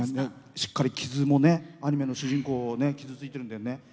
しっかり、傷もアニメの主人公傷ついてるんだよね。